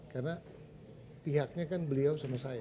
karena pihaknya kan beliau sama saya